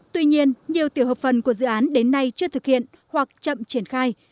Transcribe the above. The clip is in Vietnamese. tuy nhiên nhiều tiểu hợp phần của dự án đến nay chưa thực hiện hoặc chậm triển khai